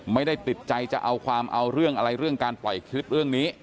ไม่ได้ติดใจจะเอาความเอาเรื่องอะไรเรื่องการปล่อยคลิปเรื่องนี้